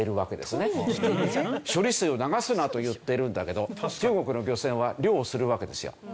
「処理水を流すな」と言ってるんだけど中国の漁船は漁をするわけですよ。